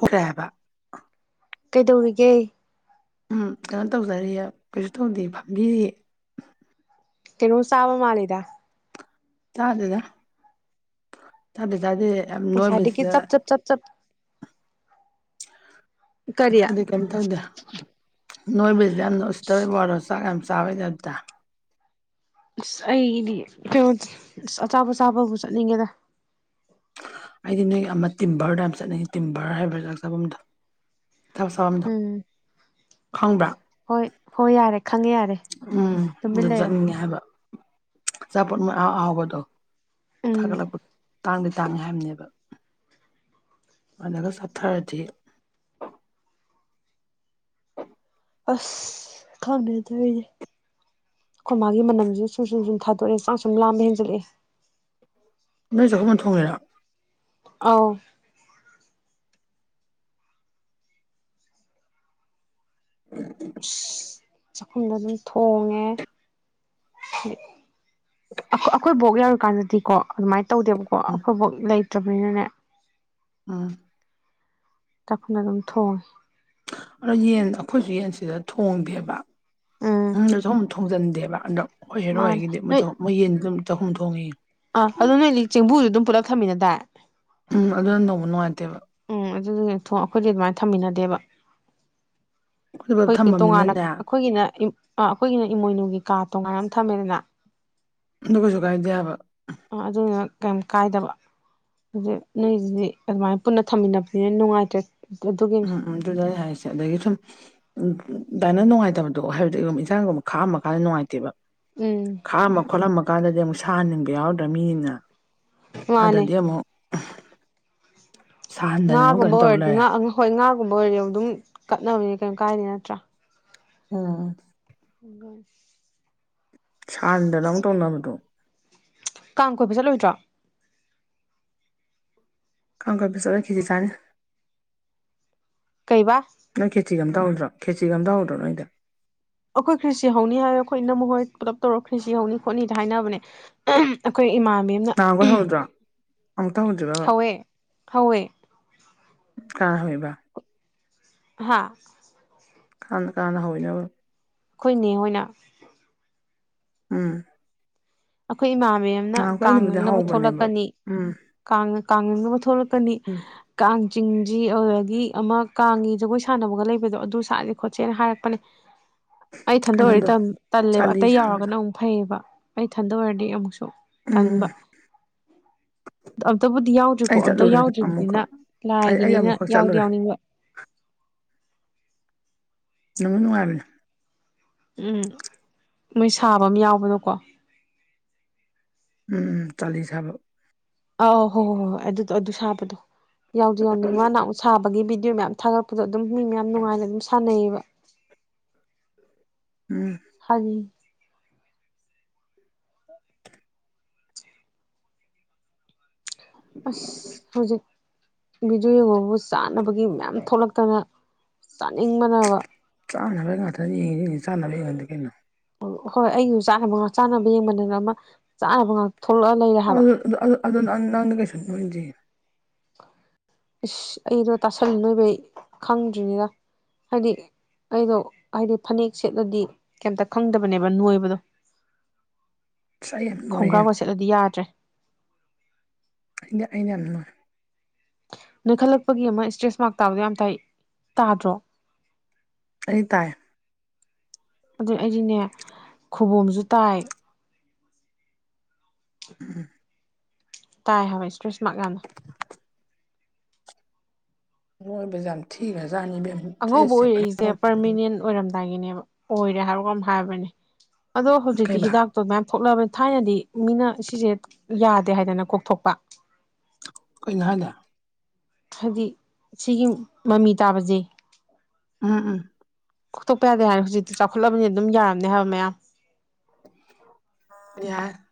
ꯕ ꯀꯩꯗꯧꯔꯤꯒꯦ ꯎꯝ ꯀꯩꯅꯣ ꯇꯧꯖꯔꯤ ꯀꯩꯁꯨ ꯇꯧꯗꯦ ꯐꯝꯕꯤꯔꯤ ꯀꯅ ꯁꯥꯕ ꯃꯥ ꯂꯩꯗ ꯆꯥꯗꯦꯗ ꯆꯥꯗꯦ ꯆꯥꯗꯦ ꯌꯥꯝ ꯉꯁꯥꯏꯗꯒꯤ ꯅꯣꯏꯕꯁꯤꯗ ꯆꯞ ꯆꯞ ꯆꯞ ꯆꯞ ꯀꯔꯤ ꯏꯗꯤ ꯀꯝꯇꯧ ꯅꯣꯏꯕꯤꯁꯗ ꯅ ꯁꯤ ꯇꯔ ꯕꯔꯁ ꯁ ꯀꯝ ꯆꯋꯦꯖ ꯑꯁ ꯑꯩꯗꯤ ꯀꯩꯅꯣ ꯑꯁ ꯑꯆꯥꯄ ꯆꯥꯕꯕꯨ ꯆꯠꯅꯤꯡꯉꯦꯗ ꯑꯩꯗꯤ ꯅꯣꯏ ꯑꯃ ꯇꯤꯚꯔꯗ ꯌꯥꯝꯝ ꯆꯠꯅꯤꯡꯉ ꯇꯤꯚꯔ ꯍꯥꯏꯕ ꯆꯥꯛ ꯆꯥꯐꯝꯗꯣ ꯏ ꯊꯛ ꯁꯐꯝꯝꯗꯣ ꯎꯝ ꯈꯪꯕ꯭ꯔꯥ ꯍꯣꯏ ꯍꯣꯏ ꯌꯥꯔꯦ ꯈꯪꯉꯦ ꯌꯥꯔꯦ ꯎꯝ ꯇꯨꯃꯤꯟ ꯑꯗꯨꯝ ꯂꯩꯔꯣ ꯆꯠꯅꯤꯡꯉꯦ ꯍꯥꯏꯕ ꯆꯠ ꯑꯧꯕꯗꯣ ꯊ ꯎꯝ ꯂ ꯇꯥꯡꯗꯩ ꯇꯥꯡꯉꯦ ꯍꯥꯏꯕꯅꯦꯕ ꯑꯗꯒ ꯁꯠꯇꯥꯗꯤ ꯑꯁ ꯈꯪꯅꯦꯗꯦ ꯑꯩꯈꯣꯏ ꯃꯥꯒꯤ ꯃꯅꯝꯁꯤꯁꯨ ꯁꯨꯝ ꯁꯨꯝ ꯁꯨꯝ ꯊꯥꯗꯣꯔꯛꯑꯦ ꯆ ꯁꯨꯝ ꯂꯥꯝꯕ ꯍꯦꯟꯖꯜꯂꯛꯑꯦ ꯅꯣꯏ ꯆꯥꯛꯍꯟ ꯊꯣꯡꯉꯦꯔ ꯑꯥꯎ ꯎ ꯆꯥꯛꯈꯨꯝꯗꯣ ꯑꯗꯨꯝ ꯊꯣꯡꯉꯦ ꯑꯩꯈꯣꯏ ꯛ ꯌꯧꯔꯨꯀꯥꯟꯗꯗꯤꯀꯣ ꯑꯗꯨꯃꯥꯏꯅ ꯇꯧꯗꯦꯕꯀꯣ ꯎꯝ ꯑꯩꯐꯣꯏꯐꯥꯎ ꯂꯩꯇ꯭ꯔꯕꯅꯤꯅꯅꯦ ꯑꯥ ꯇꯈ ꯑꯗꯨ ꯑꯗꯨꯝ ꯊꯣꯡ ꯑꯗꯣ ꯌꯦꯟ ꯑꯩꯈꯣꯏꯁꯨ ꯌꯦꯟꯁꯤꯗ ꯊꯣꯡꯗꯦꯕ ꯎꯝ ꯊꯣꯡꯖꯤꯟꯗꯦꯕ ꯍꯟꯗꯛ ꯃꯥꯅꯦ ꯑꯣꯏꯍꯦꯔꯣꯏꯒꯤꯗꯤ ꯅꯣꯏ ꯃꯣꯏ ꯌꯦꯟꯗ ꯑꯗꯨꯝ ꯆꯍꯨꯝ ꯊꯣꯡꯉꯤ ꯈꯃꯤꯅꯗ ꯎꯝ ꯑꯗꯨꯅ ꯇꯧꯕ ꯅꯨꯡꯉꯥꯏꯇꯦꯕ ꯎꯝ ꯑꯗꯨꯗꯤ ꯑꯩꯈꯣꯏꯗꯤ ꯑꯗꯨꯃꯥꯏꯅ ꯊꯝꯃꯤꯟꯅꯗꯦꯕ ꯑꯩꯈꯣꯏ ꯄꯨꯂꯞ ꯑꯩꯈꯣꯏꯒꯤ ꯇꯣꯉꯥꯟꯅ ꯊꯝꯃꯝꯅꯤꯅꯅꯦ ꯑꯗꯨ ꯑꯩꯈꯣꯏꯒꯤꯅ ꯑ ꯑꯩꯈꯣꯏꯒꯤꯅ ꯏꯃꯣꯏꯅꯨꯒꯤ ꯀꯥꯔ ꯇꯣꯉꯥꯏꯅ ꯑꯃ ꯊꯝꯃꯦꯗꯅ ꯗꯨ ꯀꯩꯁꯨ ꯀꯥꯏꯗꯦꯕ ꯑꯗꯨꯅ ꯀꯩꯑꯝ ꯀꯥꯏꯗꯕ ꯍꯧꯖꯤꯛ ꯅꯣꯏꯁꯤꯗꯤ ꯑꯗꯨꯃꯥꯏꯅ ꯄꯨꯟꯅ ꯊꯝꯃꯤꯟꯅꯕꯅꯤꯅ ꯅꯨꯡꯉꯥꯏꯇ꯭ꯔꯦ ꯑꯗꯨꯒꯤꯅꯤ ꯎꯝ ꯎꯝ ꯑꯗꯨꯗꯨ ꯑꯩꯅ ꯍꯥꯏꯁꯦ ꯑꯗꯒꯤ ꯁꯨꯝ ꯗꯥꯏꯅ ꯅꯨꯡꯉꯥꯏꯇꯕꯗꯣ ꯍꯥꯏꯕꯗꯤ ꯏꯟꯁꯥꯡꯒꯨꯝꯕ ꯈꯥꯛꯑꯝ ꯃ ꯀꯥꯟꯗ ꯅꯨꯡꯉꯥꯏꯇꯦꯕ ꯎꯝ ꯈꯥꯛꯑꯝꯃ ꯈꯣꯠꯂꯝꯃ ꯀꯥꯟꯗꯗꯤ ꯑꯃꯨꯛ ꯁꯥꯍꯟꯅꯤꯡꯕ ꯌꯥꯎꯗ꯭ꯔꯥ ꯃꯤꯅꯤꯅ ꯃꯥꯅꯦ ꯑꯗꯗꯤ ꯑꯃꯨꯛ ꯁꯥꯍꯟꯗꯅ ꯑꯃꯨꯛ ꯉꯥꯒꯨꯝꯕ ꯀꯩꯅꯣ ꯇꯧ ꯂꯩꯔꯦ ꯑꯣꯏꯔꯗꯤ ꯍꯣꯏ ꯉꯥꯒꯨꯝꯕ ꯑꯣꯏꯔꯗꯤ ꯑꯗꯨꯝ ꯀꯠꯅꯕꯅꯤ ꯀꯩꯝ ꯀꯥꯏꯗ ꯅꯠꯇ꯭ꯔꯥ ꯎꯝ ꯎꯨꯡꯒꯜ [unintelligible] ꯁꯥꯍꯟꯗ ꯑꯃꯨꯛ ꯇꯧꯅꯕꯗꯣ ꯀꯥꯡ ꯀꯣꯏꯕ ꯆꯠꯂꯣꯏꯗ꯭ꯔꯣ ꯀꯥꯡ ꯀꯣꯏꯕ ꯆꯠꯂꯣꯏ ꯈꯔꯦꯆꯤ ꯆꯥꯅꯤ ꯀꯩꯕꯥ ꯅꯣꯏ ꯈꯔꯦꯆꯤ ꯍꯧꯗ꯭ꯔꯣ ꯈꯦꯆꯤꯒ ꯑꯃꯇ ꯍꯧꯗ꯭ꯔꯣ ꯅꯣꯏꯗ ꯑꯩꯈꯣꯏ ꯈ꯭ꯔꯦꯁꯤ ꯍꯧꯅꯤ ꯍꯥꯏ ꯑꯩꯈꯣꯏ ꯏꯅꯝꯃ ꯍꯣꯏ ꯄꯨꯂꯞ ꯇꯧꯔꯒ ꯈ꯭ꯔꯦꯁꯤ ꯍꯧꯅꯤ ꯈꯣꯠꯅꯤꯗ ꯍꯥꯏꯅꯕꯅꯦ ꯑꯩꯈꯣꯏ ꯏꯃꯥꯅꯕꯤ ꯑꯃꯅ ꯅꯍꯥꯟꯈꯣꯏ ꯍꯧꯗ꯭ꯔꯣ ꯑꯃꯨꯛꯇ ꯍꯧꯗ꯭ꯔꯤꯕꯕ ꯍꯧꯋꯦ ꯍꯧꯋꯦ ꯀꯅꯥꯅ ꯍꯧꯑꯦꯕ ꯍꯥꯥ ꯀꯥꯅꯅ ꯀꯥꯅꯅ ꯍꯧꯔꯤꯅꯣꯕ ꯑꯩꯈꯣꯏꯅꯦ ꯍꯣꯏꯅ ꯎꯝ ꯑꯩꯈꯣꯏ ꯏꯃꯥ ꯅꯤꯡꯊꯤꯔꯕ ꯑꯃꯅ ꯅꯍꯥꯟꯈꯣꯏ ꯀꯥꯡ ꯑꯩꯅꯕꯨꯗꯤ ꯅꯪꯅꯕ ꯍꯧꯕꯅꯦꯕ ꯊꯣꯛꯂꯛꯀꯅꯤ ꯎꯝ ꯀꯥꯡ ꯀꯥꯡ ꯅꯪꯅꯕ ꯊꯣꯛꯂꯛꯀꯅꯤ ꯎꯝ ꯀꯥꯡ ꯆꯤꯡꯁꯤ ꯑꯗꯨꯗꯒꯤ ꯑꯃ ꯀꯥꯡꯒꯤ ꯖꯒꯣꯏ ꯁꯥꯟꯅꯕꯒ ꯂꯩꯕꯗꯣ ꯑꯗꯨ ꯁꯥꯁꯦ ꯈꯣꯠꯁꯦꯅ ꯍꯥꯏꯔꯛꯄꯅꯦ ꯑꯩ ꯊꯟꯗ ꯀꯩꯅꯣꯗꯣ ꯑꯣꯏꯔꯗꯤ ꯇꯜꯂꯦꯕ ꯆꯥꯂꯤ ꯑꯇꯩ ꯁꯥꯕꯗꯣ ꯌꯥꯎꯔꯒꯅ ꯑꯃꯨꯛ ꯐꯩꯌꯦꯕ ꯑꯩ ꯏꯊꯟꯗ ꯑꯣꯏꯔꯗꯤ ꯑꯃꯨꯛꯁꯨ ꯎꯝ ꯇꯟꯕ ꯑꯗꯣ ꯑꯝꯇꯕꯨꯗꯤ ꯌꯥꯎꯗ꯭ꯔꯤꯀꯣ ꯑꯩ ꯑꯝꯇ ꯆꯠꯂꯨꯔꯦ ꯑꯗꯨ ꯌꯥꯎꯗ꯭ꯔꯤꯕꯅꯤꯅ ꯑꯃꯨꯛꯈꯛ ꯑꯩ ꯑꯩ ꯂꯥꯏꯒꯤꯅꯤꯅ ꯑꯃꯨꯛꯈꯛ ꯌꯥꯎꯗꯤ ꯆꯠꯂꯨꯔꯦ ꯌꯥꯎꯅꯤꯡꯕ ꯅꯨꯡꯗꯤ ꯅꯨꯡꯉꯥꯏꯕꯅꯤ ꯎꯝ ꯃꯣꯏ ꯁꯥꯕ ꯑꯃ ꯌꯥꯎꯕꯗꯨꯀꯣ ꯎꯝ ꯎꯝ ꯆꯂꯤꯁꯕ ꯑꯧ ꯍꯣꯏ ꯍꯣꯏ ꯍꯣꯏ ꯑꯗꯨꯗꯣ ꯑꯗꯨ ꯁꯥꯕꯗꯣ ꯌꯥꯎꯗꯤ ꯌꯥꯎꯅꯤꯡ ꯃꯥ ꯅꯍꯥꯟꯑꯃꯨꯛ ꯁꯥꯕꯒꯤ ꯚꯤꯗꯤꯑꯣ ꯚꯗꯤꯑꯣ ꯃꯌꯥꯝ ꯊꯥꯒꯠꯄꯗꯣ ꯑꯗꯨꯝ ꯃꯤ ꯃꯌꯥꯝ ꯅꯨꯡꯉꯥꯏꯅ ꯑꯗꯨꯝ ꯁꯥꯟꯅꯩꯌꯦꯕ ꯎꯝ ꯍꯖꯤ ꯑꯁ ꯍꯧꯖꯤꯛ ꯚꯤꯗꯤꯑꯣ ꯌꯦꯡꯉꯨꯕꯕꯨ ꯆꯥꯅꯕꯒꯤ ꯃꯌꯥꯝ ꯊꯣꯛꯂꯛꯇꯅ ꯆꯥꯅꯤꯡꯕꯅꯕ ꯆꯥꯅꯕ ꯉꯥꯛꯇ ꯌꯦꯡꯉ ꯌꯦꯡꯉꯁꯤ ꯆꯥꯅꯕ ꯌꯦꯡꯉꯟꯗꯦ ꯀꯩꯅꯣ ꯍꯣꯏ ꯑꯩꯁꯨ ꯆꯥꯅꯕ ꯉꯥꯛ ꯆꯥꯅꯕ ꯌꯦꯡꯃꯟꯗꯅ ꯑꯃ ꯆꯥꯅꯕ ꯉꯥꯛ ꯊꯣꯛꯂꯛꯑ ꯂꯩꯔꯦ ꯍꯥꯏꯕ ꯑ ꯅ ꯅ ꯀꯩꯁꯨ [unintelligible] ꯏꯁꯁ ꯑꯩꯗꯣ ꯇꯥꯁꯜꯂꯥ ꯅꯣꯏꯕꯩ ꯈꯪꯗ꯭ꯔꯤꯅꯤꯗ ꯍꯥꯏꯗꯤ ꯑꯩꯗꯣ ꯍꯥꯏꯗꯤ ꯐꯅꯦꯛ ꯁꯦꯠꯂꯗꯤ ꯀꯩꯑꯃꯇ ꯈꯪꯗꯕꯅꯦꯕ ꯅꯣꯏꯕꯗꯣ ꯑꯁ ꯑꯩ ꯌꯥꯝ ꯅꯣꯏꯍꯦ ꯈꯣꯡꯒ꯭ꯔꯥ ꯒꯥ ꯁꯦꯠꯂꯗꯤ ꯌꯥꯗ꯭ꯔꯦ ꯑꯩꯗ ꯑꯩꯗ ꯌꯥꯝ ꯅꯣꯏ ꯅꯣꯏꯈꯜꯂꯛꯄꯒꯤ ꯑꯃ ꯏꯁꯇ꯭ꯔꯦꯁ ꯃꯥꯔꯛ ꯇꯥꯕꯗꯣ ꯌꯥꯝ ꯇꯥꯏ ꯇꯥꯗ꯭ꯔꯣ ꯑꯩ ꯇꯥꯏ ꯑꯗꯨ ꯑꯩꯗꯤꯅꯦ ꯈꯨꯕꯣꯝꯁꯨ ꯇꯥꯏ ꯎꯝ ꯇꯥꯏ ꯍꯥꯏꯋꯕ ꯏꯁꯇ꯭ꯔꯦꯁ ꯃꯥꯔꯛ ꯌꯥꯝꯅ ꯅꯣꯏꯕꯖꯤ ꯌꯥꯝ ꯊꯤ ꯑꯉꯧꯕ ꯑꯣꯏꯔꯛꯏꯁꯦ ꯄꯔꯃꯤꯅꯦꯟ ꯑꯣꯏꯔꯝꯗꯥꯏꯒꯤꯅꯦ ꯑꯣꯏꯔꯦ ꯍꯥꯏꯔꯒ ꯍꯥꯏꯕꯅꯦ ꯑꯗꯣ ꯍꯧꯖꯤꯛꯇꯤ ꯀꯩꯕꯥ ꯍꯤꯗꯥꯛꯇꯣ ꯃꯌꯥꯝ ꯊꯣꯛꯂꯕꯅꯤ ꯊꯥꯏꯅꯗꯤ ꯃꯤꯅ ꯁꯤꯁꯦ ꯌꯥꯗꯦ ꯍꯥꯏꯗꯅ ꯀꯣꯛꯊꯣꯛꯄ ꯀꯩꯅꯣ ꯍꯥꯢꯗꯣ ꯍꯥꯏꯗꯤ ꯁꯤꯒꯤ ꯃꯃꯤ ꯇꯥꯕꯁꯦ ꯎꯝ ꯎꯝ ꯀꯣꯛꯊꯠꯇꯣꯛꯄ ꯌꯥꯗꯦ ꯍꯥꯏꯔ ꯍꯧꯖꯤꯛꯇꯤ ꯆꯥꯎꯈꯠꯂꯕꯅꯤ ꯑꯗꯨꯝ ꯌꯥꯔꯝꯅꯦ ꯍꯥꯏꯕ ꯃꯌꯥꯝ ꯌꯥ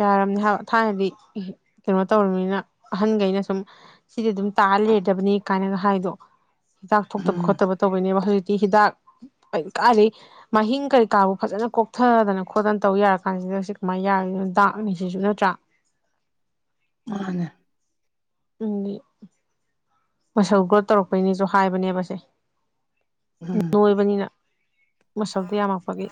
ꯌꯥꯔꯕꯝꯅꯤ ꯊꯥꯏꯅꯗꯤ ꯀꯩꯅꯣ ꯇꯧꯔꯕꯅꯤꯅ ꯑꯍꯟꯈꯩꯅ ꯁꯨꯝ ꯁꯤꯗꯤ ꯑꯗꯨꯝ ꯇ ꯀꯥ ꯂꯩꯔꯗꯕꯅꯤ ꯀꯥꯏꯅꯒ ꯍꯥꯏꯗꯣ ꯍꯤꯗꯥꯛ ꯊꯣꯛꯇꯕ ꯎꯝ ꯈꯣꯠꯇꯕ ꯇꯧꯕꯣꯏꯅꯦꯕ ꯍꯧꯖꯤꯛꯇꯤ ꯍꯤꯗꯥꯛ ꯀꯔꯤ ꯀꯥ ꯂꯩ ꯃꯍꯤꯡ ꯀꯔꯤ ꯀꯥꯕꯨ ꯐꯖꯅ ꯀꯣꯛꯊꯗꯅ ꯈꯣꯠꯇꯅ ꯇꯧ ꯌꯥꯔ ꯀꯥꯟꯁꯤꯗ ꯁꯤꯗ ꯁꯤ ꯀꯃꯥꯏꯅ ꯌꯥꯔꯤꯅꯣ ꯗꯥꯛꯅꯤ ꯁꯤꯁꯨ ꯅꯠꯇ꯭ꯔꯥ ꯃꯥꯅꯦ ꯎꯗꯤ ꯃꯁꯜ ꯒ꯭ꯔꯣꯠ ꯇꯧꯔꯛꯄꯩꯅꯤꯁꯨ ꯍꯥꯏꯕꯅꯦꯕꯁꯦ ꯎꯝ ꯅꯣꯏꯕꯅꯤꯅ ꯃꯁꯜꯗꯤ ꯌꯥꯝꯃꯄꯒꯤ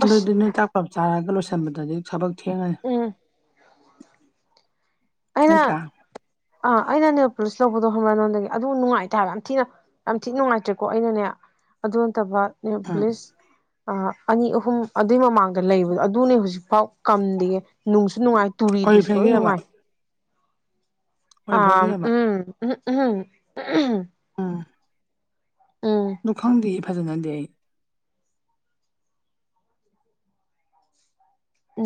ꯑꯁ ꯑꯗꯨꯗꯤ ꯅꯣꯏ ꯆꯥꯛ ꯂꯞ ꯆꯥꯔꯒ ꯂꯣꯏꯁꯤꯟꯕꯗꯗꯤ ꯊꯕꯛ ꯊꯦꯉꯅꯤ ꯎꯝ ꯅꯠꯇ꯭ꯔꯥ ꯑꯩꯅ ꯑꯥ ꯑꯩꯅꯅꯦ ꯄꯨꯂꯤꯁ ꯂꯧꯕꯗꯣ ꯍꯔ ꯅꯉꯣꯟꯗꯒꯤ ꯑꯗꯨ ꯅꯨꯡꯉꯥꯏꯇꯥꯕ ꯌꯥꯝ ꯊꯤꯅ ꯌꯥꯝ ꯊꯤꯅ ꯅꯨꯡꯉꯥꯏꯇ꯭ꯔꯦꯀꯣ ꯑꯩꯅꯅꯦ ꯑꯗꯨ ꯅꯠꯇꯕ ꯅꯦ ꯎꯝ ꯄꯂꯤꯁ ꯑ ꯑꯅꯤ ꯑꯍꯨꯝ ꯑꯗꯨꯏ ꯃꯃꯥꯡꯗ ꯂꯩꯕꯗꯣ ꯑꯗꯨꯅꯦ ꯍꯧꯖꯤꯛꯐꯥꯎ ꯀꯝꯗꯦ ꯅꯨꯡꯁꯨ ꯅꯨꯡꯉꯥꯏ ꯇꯨꯔꯤꯗꯨꯁꯨ ꯂꯣꯏ ꯑꯣꯔꯤꯐ꯭ꯂꯦꯝꯒꯤꯔꯕ ꯅꯨꯡꯉꯥꯏ ꯑ ꯑꯣꯔꯤꯐ꯭ꯂꯦꯝꯒꯤꯔꯕ ꯎꯝ ꯎꯝ ꯎꯝ ꯑ ꯎꯝ ꯅꯈꯪꯗꯤ ꯐꯖꯅꯗꯤ ꯑꯩ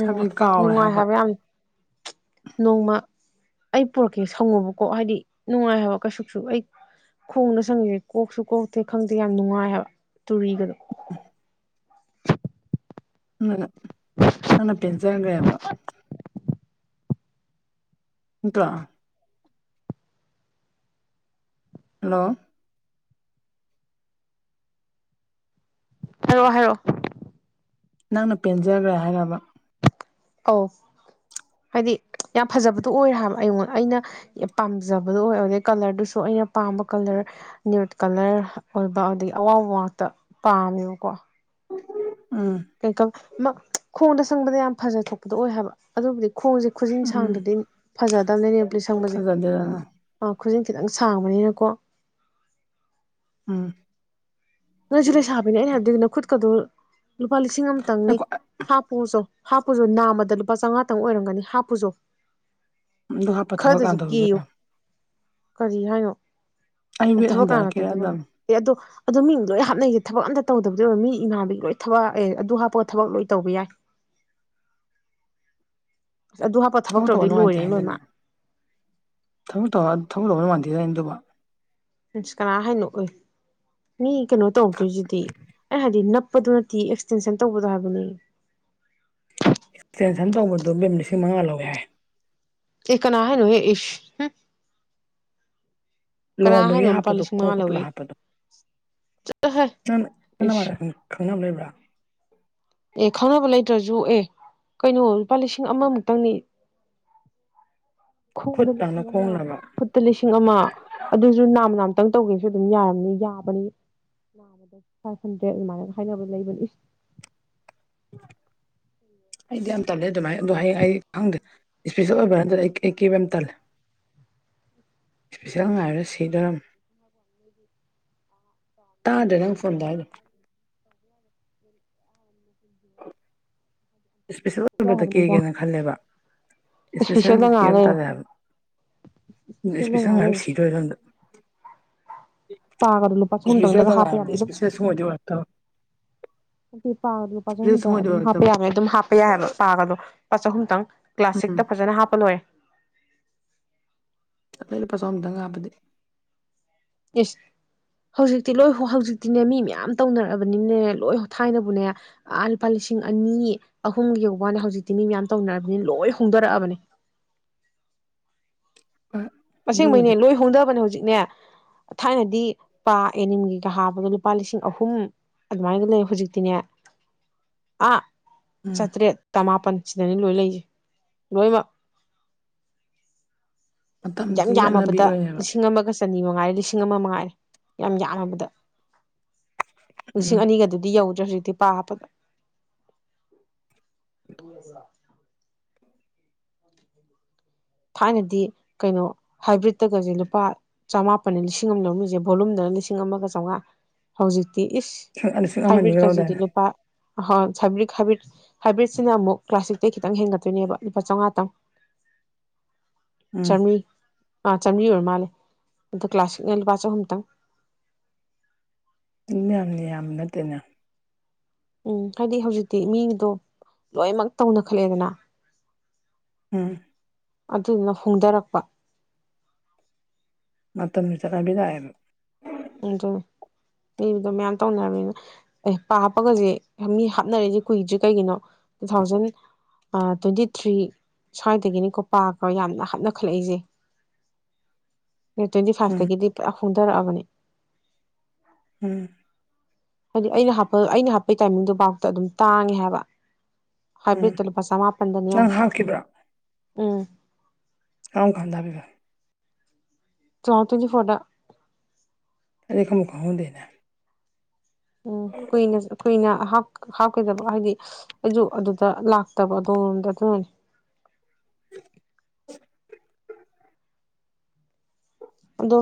ꯍꯥꯏꯕꯗꯤ ꯀꯥꯎꯔꯦ ꯅꯨꯡꯉꯥꯏ ꯍꯥꯏꯕ ꯌꯥꯝ ꯅꯣꯡꯃ ꯑꯩ ꯄꯨꯔꯛꯀꯦ ꯁꯪꯉꯨꯕꯀꯣ ꯍꯥꯏꯗꯤ ꯅꯨꯡꯉꯥꯏ ꯍꯥꯏꯕ ꯀꯩꯁꯨꯁꯨ ꯑꯩ ꯈꯣꯡꯅ ꯁꯪꯉꯁꯦ ꯀꯣꯛꯁꯨ ꯀꯣꯛꯇꯦ ꯈꯪꯗꯦ ꯌꯥꯝ ꯅꯨꯡꯉꯥꯏ ꯍꯥꯏꯕ ꯇꯨꯔꯤꯒꯗꯣ ꯎ ꯑꯅ ꯅꯪꯅ ꯄꯦꯟꯖꯒ꯭ꯔꯦꯕ ꯅꯇ꯭ꯔꯣ ꯍꯜꯂꯣ ꯍꯥꯏꯔꯛꯑꯣ ꯍꯥꯏꯔꯑꯣ ꯅꯪꯅ ꯄꯦꯟꯖꯈ꯭ꯔꯦ ꯍꯥꯏꯔꯕ ꯑꯧ ꯍꯥꯏꯗꯤ ꯌꯥꯝ ꯐꯖꯕꯗꯣ ꯑꯣꯏꯔꯦ ꯍꯥꯏꯕ ꯑꯩꯉꯣꯟꯗ ꯑꯩꯅ ꯄꯥꯝꯖꯕꯗꯣ ꯑꯣꯏ ꯑꯗꯨꯗꯩ ꯀꯂꯔꯗꯨꯁꯨ ꯑꯩꯅ ꯄꯥꯝꯕ ꯀꯂꯔ ꯅ꯭ꯌꯨꯠ ꯀꯂꯔ ꯑꯣꯏꯕ ꯑꯗꯒꯤ ꯑꯋꯥꯕ ꯉꯥꯛꯇ ꯄꯥꯝꯃꯦꯕꯀꯣ ꯎ ꯀꯩ ꯈꯣꯡꯗ ꯁꯪꯕꯗ ꯌꯥꯝ ꯐꯖ ꯊꯣꯛꯄꯗꯣ ꯑꯣꯏ ꯍꯥꯏꯕ ꯑꯗꯨꯕꯨꯗꯤ ꯈꯣꯡꯁꯦ ꯈꯨꯖꯤꯟ ꯎꯝ ꯁꯥꯡꯗ꯭ꯔꯗꯤ ꯐꯖꯗꯕꯅꯦ ꯅꯦꯕ꯭ꯂꯤ ꯁꯪꯕꯁꯦ ꯐꯖꯗꯦꯗꯅ ꯑꯥ ꯈꯨꯖꯤꯟ ꯈꯤꯇꯪ ꯁꯥꯡꯕꯅꯤꯅꯀꯣ ꯑꯝ ꯅꯪꯁꯨ ꯂꯩꯁꯥꯕꯅꯦ ꯑꯩꯅ ꯍꯥꯏꯕꯗꯨꯒꯤ ꯅ ꯈꯨꯠꯀꯗꯣ ꯂꯨꯄꯥ ꯂꯤꯁꯤꯡ ꯑꯃꯇꯪꯅꯤ ꯍꯥꯞꯄꯨꯁꯨ ꯍꯥꯞꯄꯨꯁꯨ ꯅꯥꯝꯃꯗ ꯂꯨꯄꯥ ꯆꯥꯝꯉꯥꯇꯪ ꯑꯣꯏꯔꯝꯒꯅꯤ ꯍꯥꯞꯄꯨꯁꯨ ꯗ ꯍꯥꯞꯄ ꯊꯕꯛ ꯀꯅꯥꯅ ꯇꯧꯗꯣꯢꯕ ꯀꯔꯤ ꯍꯥꯏꯅꯣ ꯑꯩ ꯋꯦꯠ ꯊꯕꯛ ꯀꯅꯥ ꯇꯧꯗꯣꯕꯌꯦ ꯍꯟꯊꯔꯛꯀꯦꯔꯗꯝ ꯑꯦ ꯑꯗꯣ ꯑꯗꯣ ꯃꯤꯡ ꯍꯥꯞꯅꯩꯁꯦ ꯊꯕꯛ ꯑꯝꯇ ꯇꯧꯗꯕꯗꯤ ꯑꯣꯏꯕ ꯃꯤ ꯏꯃꯥꯕꯤꯒꯤ ꯂꯣꯏ ꯊꯕꯛ ꯑꯗꯨ ꯍꯥꯞꯄꯒ ꯊꯕꯛ ꯂꯣꯏ ꯇꯧꯕ ꯌꯥꯏ [inaudible] ꯑꯁ ꯑꯗꯨ ꯍꯥꯞꯄ ꯊꯕꯛ ꯇꯧꯕ ꯇꯧꯔꯗꯤ ꯅꯨꯡꯉꯥꯏꯇꯦ ꯂꯣꯏꯔꯦ ꯍꯥꯏꯗꯥꯢꯅꯦ ꯂꯣꯏꯃꯛ ꯊꯕꯛ ꯇꯧ ꯊꯅ ꯃꯥꯟꯗꯦꯗꯗꯨꯕ ꯀꯅꯥ ꯍꯥꯏꯅꯣ ꯑꯣꯏ ꯃꯤ ꯀꯩꯅꯣ ꯇꯧꯗꯣꯏꯁꯤꯗꯤ ꯑꯩ ꯍꯥꯏꯗꯤ ꯅꯞꯄꯗꯨ ꯅꯠꯇꯦ ꯑꯦꯛꯁꯇꯦꯟꯁꯟ ꯇꯧꯕꯗꯣ ꯍꯥꯏꯕꯅꯤ ꯑꯦꯛꯁꯇꯦꯟꯁꯟ ꯇꯧꯕꯗꯣ ꯃꯤꯃꯤ ꯂꯤꯁꯤꯡ ꯃꯉꯥ ꯂꯧꯋꯦ ꯍꯥꯏ ꯏ ꯀꯅꯥꯅ ꯏ ꯂꯨꯍꯣꯡꯕꯒꯤ ꯍꯥꯞꯄꯗꯣ ꯈꯣꯡ ꯀꯞꯂ ꯍꯥꯞꯄꯗꯣ ꯆꯠꯍꯦ ꯑ ꯃꯥꯔ ꯏꯁ ꯈꯪꯅ ꯂꯩꯕ꯭ꯔ ꯌꯣꯛꯑꯦ ꯀꯩꯅꯣ ꯂꯨꯄꯥ ꯂꯤꯁꯤꯡ ꯑꯃꯃꯨꯛꯇꯪꯅꯤ ꯈꯨꯠ ꯈꯣꯡꯗ ꯂꯪꯂ ꯂꯤꯁꯤꯡ ꯑꯃ ꯈꯣꯡ ꯂꯪꯂ ꯐꯨꯠꯇ ꯂꯤꯁꯤꯡ ꯑꯃ ꯑꯗꯨꯁꯨ ꯅꯥꯝ ꯅꯥꯝ ꯈꯤꯇꯪ ꯇꯧꯒꯦꯁꯨ ꯑꯗꯨꯝ ꯌꯥꯔꯝꯅꯤ ꯌꯥꯕꯅꯤ ꯅꯥꯗ ꯐꯥꯏꯚ ꯍꯟꯗ꯭ꯔꯦꯠ ꯑꯗꯨꯃꯥꯏꯅ ꯍꯥꯏꯅꯕ ꯂꯩꯕꯅꯤ ꯎ ꯎ ꯑꯩꯗꯤ ꯌꯥꯝ ꯇꯜꯂꯦ ꯑꯗꯨꯃꯥꯏꯅ ꯑꯗꯣ ꯍꯌꯦꯡ ꯑꯩ ꯈꯪꯗꯦ ꯏꯁꯄꯤꯁꯦꯜ ꯑꯣꯏꯕ ꯅꯠꯇ ꯑꯩ ꯑꯩ ꯀꯦꯕ ꯌꯥꯝ ꯇꯜꯂꯦ [unintelligible] ꯏꯁꯄꯤꯁꯦꯜ ꯍꯣꯏꯗ ꯉꯥꯏꯔ ꯇꯧ ꯇꯧ ꯂꯩ ꯇꯥꯗ ꯅꯪ ꯐꯣꯟꯗ ꯍꯥꯏꯅ ꯖꯣ ꯏꯁꯄꯤꯁꯦꯜ ꯑꯣꯏꯕꯗ ꯀꯦꯒꯦꯅ ꯈꯜꯂꯦꯕ ꯏꯁꯄꯤꯁꯦꯜꯗ ꯏꯁꯄꯤꯁꯦꯜꯗꯗꯤ ꯀꯦ ꯉꯥꯏ ꯍꯥꯏꯕ ꯂꯩꯔꯣ ꯇꯥꯔꯦ ꯍꯥꯏꯕ ꯏꯁꯄꯤꯁꯦꯜꯗ ꯏꯁꯄꯤꯁ ꯉꯥꯏ ꯍꯥꯏ ꯂꯩꯔꯣ ꯁꯤꯠ ꯄꯥꯒꯗꯣ ꯂꯨꯄꯥ ꯆꯍꯨꯝꯗꯪꯗꯒ ꯏꯁꯄꯤꯁꯦꯜꯗ ꯍꯥꯞꯄ ꯌꯥꯔ ꯉꯥꯏꯔꯕꯗꯤ ꯑꯗꯨꯝ ꯏꯁꯄꯤꯁꯦꯜ ꯁꯨꯡꯑꯣꯏꯗꯤ ꯑꯣꯏꯔꯛꯇꯕ ꯌꯥ ꯄꯥ ꯂꯨꯄꯥꯁꯨ ꯏꯁꯄꯤꯁꯦꯜ ꯍꯇ ꯁꯨꯡꯑꯣꯏꯗꯤ ꯑꯗꯨꯝ ꯍꯥꯞꯄ ꯑꯣꯏꯔꯛꯇꯕ ꯌꯥꯒ ꯑꯗꯨꯝ ꯍꯥꯞꯄ ꯌꯥꯏꯑꯕ ꯄꯥꯒꯗꯣ ꯆꯍꯨꯝꯇꯪ ꯎꯝ ꯀ꯭ꯂꯥꯁꯤꯛꯇ ꯐꯖꯅ ꯍꯥꯞꯄ ꯂꯣꯏꯑꯥ ꯂꯩꯩꯅ ꯄꯩꯁꯥ ꯑꯃꯝꯇꯪ ꯍꯥꯞꯄꯗꯤ ꯏꯁꯁ ꯍꯧꯖꯤꯛꯇꯤ ꯂꯣꯏ ꯍꯧꯖꯤꯛꯇꯤꯅꯦ ꯃꯤ ꯃꯌꯥꯝ ꯇꯧꯅꯔꯛꯑꯕꯅꯤꯅꯅꯦ ꯂꯣꯏ ꯊꯥꯏꯅꯕꯨꯅꯦ ꯑ ꯂꯨꯄꯥ ꯂꯤꯁꯤꯡ ꯂꯤꯁꯤꯡ ꯑꯅꯤ ꯑꯍꯨꯝ ꯌꯧꯕꯥꯗ ꯍꯧꯖꯤꯛꯇꯤ ꯃꯤ ꯃꯌꯥꯝ ꯇꯧꯅꯔꯕꯅꯤꯅ ꯂꯣꯏ ꯍꯣꯡꯗꯣꯔꯛꯑꯕꯅꯤ [unintelligible] ꯍꯣꯏ ꯑꯗꯨꯕꯨꯗꯤ ꯑꯁꯦꯡꯕꯩꯅꯦ ꯂꯣꯏ ꯍꯣꯡꯗꯕꯅꯦ ꯍꯧꯖꯤꯛꯅꯦ ꯊꯥꯏꯅꯗꯤ ꯄꯥ ꯑꯦꯅꯤꯝꯒꯤꯒ ꯍꯥꯕꯗ ꯂꯨꯄꯥ ꯂꯤꯁꯤꯡ ꯑꯍꯨꯝ ꯑꯗꯨꯃꯥꯏꯅꯒ ꯂꯩ ꯍꯧꯖꯤꯛꯇꯤꯅꯦ ꯑꯥ ꯎꯝ ꯆꯥꯇ꯭ꯔꯦꯠꯇꯃꯥꯄꯟ ꯁꯤꯗꯅꯤ ꯂꯣꯏ ꯂꯩꯁꯦ ꯂꯣꯏꯃꯛ ꯌꯥꯝ ꯃꯇꯝꯁꯤꯒꯤ ꯆꯠꯅꯕꯤ ꯌꯥꯝꯃꯕꯗ ꯑꯣꯏꯔꯦꯕ ꯂꯤꯁꯤꯡ ꯑꯃꯒ ꯆꯅꯤ ꯃꯉꯥ ꯂꯤꯁꯤꯡ ꯂꯤꯁꯤꯡ ꯑꯃ ꯃꯥꯏꯔꯦ ꯌꯥꯝ ꯌꯥꯝꯂꯕꯗ ꯎꯝ ꯂꯤꯁꯤꯡ ꯑꯅꯤꯒꯗꯨꯗꯤ ꯌꯧꯗ꯭ꯔꯦ ꯍꯧꯖꯤꯛꯇ ꯗꯤ ꯄꯥꯄꯗ ꯊꯥꯏꯅꯗꯤ ꯀꯩꯅꯣ ꯍꯥꯏꯕ꯭ꯔꯤꯠꯇꯒꯁꯦ ꯂꯨꯄꯥ ꯆꯃꯥꯄ ꯂꯤꯁꯤꯡ ꯑꯃ ꯂꯧꯔꯃꯤꯁꯦ ꯚꯣꯂꯨꯝꯗ ꯂꯤꯁꯤꯡ ꯑꯃꯒ ꯆꯥꯝꯃꯉꯥ ꯍꯧꯖꯤꯛꯇꯤ ꯏꯁ ꯂꯤꯁꯤꯡ ꯍꯥꯏꯕ꯭ꯔꯤꯠ ꯑꯃꯅꯤꯒ ꯀꯖꯤꯗꯤ ꯂꯧꯗꯥꯏꯅꯦ ꯂꯨꯄꯥ ꯑꯣꯏ ꯍꯥꯏꯕ꯭ꯔꯤꯛ ꯍꯥꯏꯕ꯭ꯔꯤꯠ ꯍꯥꯏꯕ꯭ꯔꯤꯠꯁꯤꯅ ꯑꯃꯨꯛ ꯀ꯭ꯂꯥꯁꯤꯇꯩ ꯈꯤꯇꯪ ꯍꯦꯟꯒꯠꯇꯣꯏꯅꯦꯕ ꯂꯨꯄꯥ ꯆꯝꯉꯥꯇꯪ ꯎꯝ ꯆꯝꯅꯤ ꯑꯥ ꯆꯥꯝꯃꯔꯤ ꯑꯣꯏꯔ ꯃꯥꯜꯂꯦ ꯑꯣ ꯀ꯭ꯂꯥꯥꯁꯛꯅ ꯂꯨꯄꯥ ꯆꯍꯨꯝꯇꯪ ꯌꯥꯝꯅꯤ ꯌꯥꯝ ꯅꯠꯇꯦꯅ ꯎꯝ ꯍꯥꯏꯗꯤ ꯍꯧꯖꯤꯛꯇꯤ ꯃꯤꯗꯣ ꯂꯣꯏꯅꯃꯛ ꯇꯧꯅ ꯈꯠꯂꯛꯑꯦꯗꯅ ꯎꯝ ꯑꯗꯨꯗꯨꯅ ꯐꯣꯡꯗꯔꯛꯄ ꯃꯠꯇꯣꯟꯅ ꯆꯔꯕꯤꯗ ꯑꯗꯨ ꯏꯕꯗꯣ ꯃꯌꯥꯝ ꯇꯧꯅꯔꯕꯅꯤꯅ ꯑꯦ ꯄ ꯍꯥꯞꯄꯒꯁꯦ ꯃꯤ ꯍꯥꯞꯅꯔꯁꯦ ꯀꯨꯏꯗ꯭ꯦ ꯀꯩꯒꯤꯅꯣ ꯇꯨ ꯊꯥꯎꯖꯟ ꯇ꯭ꯋꯦꯟꯇꯤ ꯊ꯭ꯔꯤ ꯁ꯭ꯋꯥꯏꯗꯒꯤꯅꯤꯀꯣ ꯄꯥꯒ ꯌꯥꯝꯅ ꯍꯥꯞꯅꯈꯠꯂꯛꯏꯁꯦ ꯇ꯭ꯋꯦꯟꯇꯤ ꯎꯝ ꯐꯥꯔꯁꯇꯒꯤꯗꯤ ꯄꯨꯔ ꯍꯣꯡꯊꯔꯛꯑꯕꯅꯤ ꯎꯝ ꯍꯥꯏꯗꯤ ꯑꯩꯅ ꯍꯥꯄ ꯑꯩꯅ ꯍꯥꯞꯄꯒꯤ ꯇꯥꯏꯃꯤꯡꯗꯨꯣ ꯐꯥꯎꯇ ꯑꯗꯨꯝ ꯇꯥꯡꯉꯦ ꯍꯥꯏꯕ ꯈꯕꯔꯤ ꯎꯝ ꯇꯂꯄꯥ ꯁꯃꯄꯟꯗꯅꯣ ꯅꯪ ꯍꯥꯞꯈꯤꯕ꯭ꯔꯣ ꯎꯝ ꯀꯥꯎ ꯈꯥꯟꯗꯕꯤ ꯈ ꯆꯣꯡꯇꯨꯗꯤ ꯐꯣꯇ ꯑꯩꯗꯤ ꯈꯪꯕꯨ ꯈꯡꯗꯦꯅꯦ ꯎꯝ ꯀꯨꯏꯅ ꯀꯨꯏꯅ ꯍꯥꯞꯀꯗꯕ ꯍꯥꯏꯗꯤ ꯑꯩꯁꯨ ꯑꯗꯨꯗ ꯂꯥꯛꯇꯕ ꯑꯗꯣꯝꯂꯣꯝꯗ ꯑꯗꯨꯃꯅꯤ [unintelligible] ꯑꯗꯣ